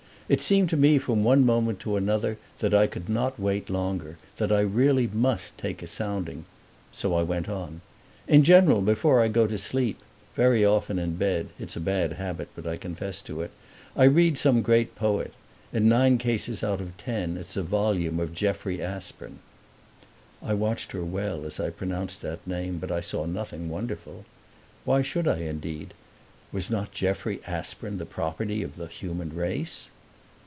It seemed to me from one moment to another that I could not wait longer that I really must take a sounding. So I went on: "In general before I go to sleep very often in bed (it's a bad habit, but I confess to it), I read some great poet. In nine cases out of ten it's a volume of Jeffrey Aspern." I watched her well as I pronounced that name but I saw nothing wonderful. Why should I indeed was not Jeffrey Aspern the property of the human race?